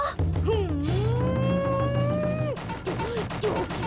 ふん！